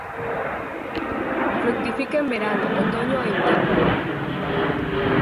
Fructifica en verano, otoño e invierno.